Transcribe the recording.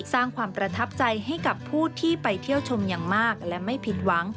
สร้างความประทับใจให้กับผู้ที่ไปเที่ยวชมอย่างมากและไม่ผิดหวัง